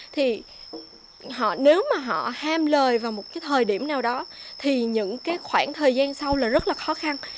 thì họ nếu mà họ ham lời vào một cái thời điểm nào đó thì những cái khoảng thời gian sau là rất là khó khăn